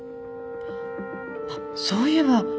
あっそういえば。